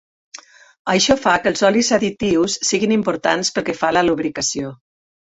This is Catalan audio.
Això fa que els olis additius siguin importants pel que fa a la lubricació.